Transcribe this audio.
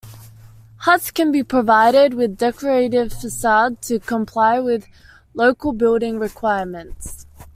Huts can be provided with a decorative facade to comply with local building requirements.